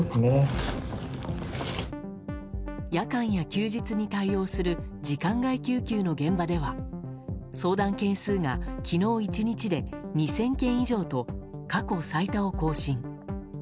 夜間や休日に対応する時間外救急の現場では相談件数が昨日１日で２０００件以上と過去最多を更新。